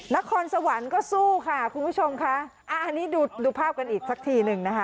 นครสวรรค์ก็สู้ค่ะคุณผู้ชมค่ะอ่าอันนี้ดูดูภาพกันอีกสักทีหนึ่งนะคะ